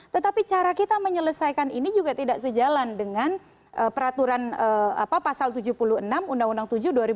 tetapi cara kita menyelesaikan ini juga tidak sejalan dengan peraturan pasal tujuh puluh enam undang undang tujuh dua ribu dua